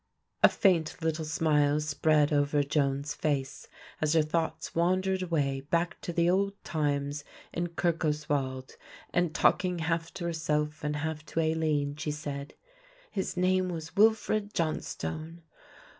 A faint little smile spread over Joan's face as her thoughts wandered away back to the old times in Kirkoswald and talking half to herself and half to Aline she said: "His name was Wilfred Johnstone.